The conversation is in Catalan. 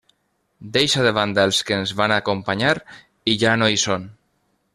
Deixa de banda els que ens van acompanyar i ja no hi són.